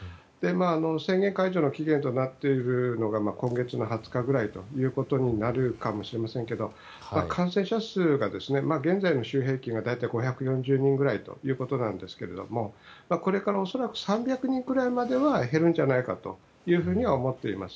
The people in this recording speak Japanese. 宣言解除の期限となっているのが今月の２０日ぐらいとなるかもしれませんけど感染者数が、現在の週平均は５４０人ぐらいですがこれから恐らく３００人くらいまでは減るんじゃないかというふうに思っています。